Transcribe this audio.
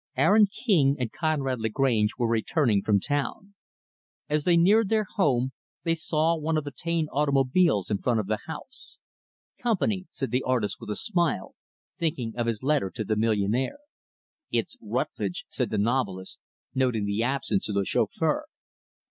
Aaron King and Conrad Lagrange were returning from town. As they neared their home, they saw one of the Taine automobiles in front of the house. "Company," said the artist with a smile thinking of his letter to the millionaire. "It's Rutlidge," said the novelist noting the absence of the chauffeur.